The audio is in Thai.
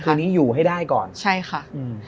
ทีนี้อยู่ให้ได้ก่อนใช่ค่ะอืม